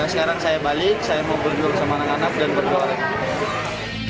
sekarang saya balik saya mau berjuang sama anak anak dan berjuang